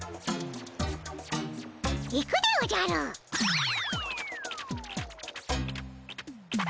行くでおじゃるっ！